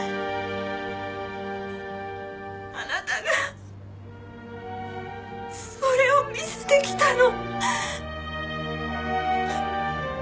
あなたがそれを見せてきたの。